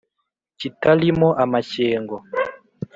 Kitali mo amashyengo